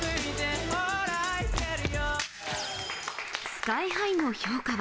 ＳＫＹ−ＨＩの評価は。